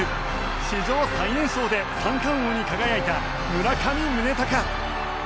史上最年少で三冠王に輝いた村上宗隆。